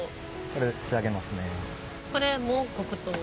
これで仕上げますね。